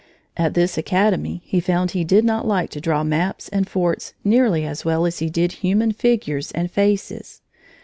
At this academy he found he did not like to draw maps and forts nearly as well as he did human figures and faces.